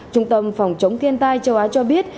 trung tâm phòng chống thiên tai châu á cho biết